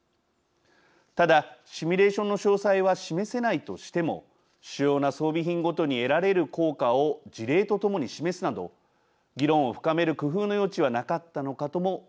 ただシミュレーションの詳細は示せないとしても主要な装備品ごとに得られる効果を事例とともに示すなど議論を深める工夫の余地はなかったのかとも思います。